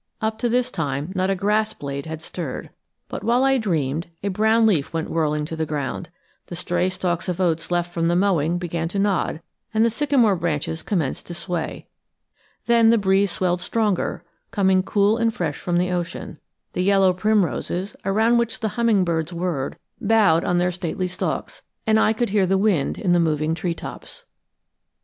Up to this time not a grass blade had stirred, but while I dreamed a brown leaf went whirling to the ground, the stray stalks of oats left from the mowing began to nod, and the sycamore branches commenced to sway. Then the breeze swelled stronger, coming cool and fresh from the ocean; the yellow primroses, around which the hummingbirds whirred, bowed on their stately stalks, and I could hear the wind in the moving treetops.